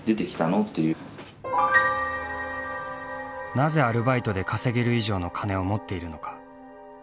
なぜアルバイトで稼げる以上の金を持っているのか。